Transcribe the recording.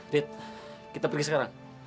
dit kita pergi sekarang